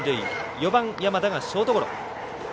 ４番、山田がショートゴロ。